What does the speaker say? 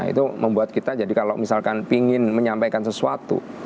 itu membuat kita jadi kalau misalkan ingin menyampaikan sesuatu